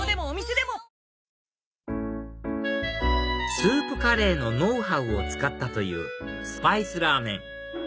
スープカレーのノウハウを使ったというスパイスラーメン